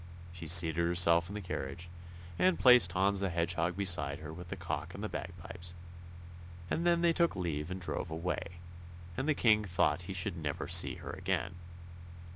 She seated herself in the carriage, and placed Hans the Hedgehog beside her with the cock and the bagpipes, and then they took leave and drove away, and the King thought he should never see her again.